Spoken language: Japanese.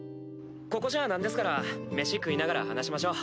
ここじゃなんですから飯食いながら話しましょう。